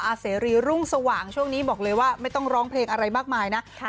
เสรีรุ่งสว่างช่วงนี้บอกเลยว่าไม่ต้องร้องเพลงอะไรมากมายนะ